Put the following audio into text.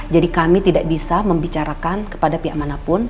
jadi kami tidak bisa membicarakan kepada pihak manapun